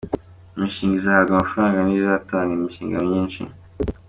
Imishinga izahabwa amafaranga ni izatanga iminshinga myiza.